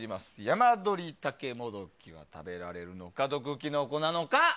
ヤマドリタケモドキは食べられるのか毒キノコなのか。